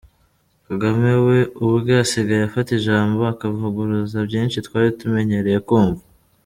Kagame we ubwe asigaye afata ijambo akavuguruza byinshi twari tumenyereye kumva.